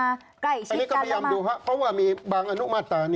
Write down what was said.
ใกล้อีกชิ้นกันแล้วมาอันนี้ก็พยายามดูครับเพราะว่ามีบางอนุมาตรา